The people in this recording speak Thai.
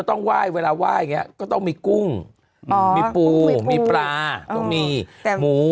ต้องกวนฮิต